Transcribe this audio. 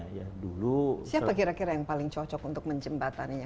siapa kira kira yang paling cocok untuk menjembataninya